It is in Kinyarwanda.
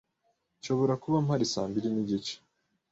Nshobora kuba mpari saa mbiri nigice.